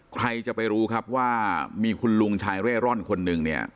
ใครจะไปรู้ครับว่ามีคุณลุงชายเร่ร่อนคนหนึ่งเนี่ย